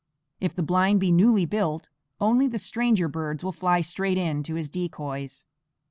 If the blind be newly built, only the stranger birds will fly straight in to his decoys.